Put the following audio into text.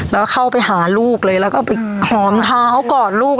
แล้วเข้าไปหาลูกเลยแล้วก็ไปหอมเท้าเขากอดลูก